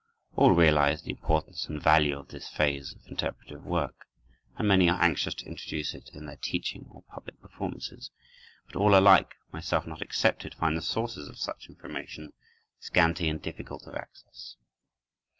All realize the importance and value of this phase of interpretative work, and many are anxious to introduce it in their teaching or public performances; but all alike, myself not excepted, find the sources of such information scanty and difficult of access.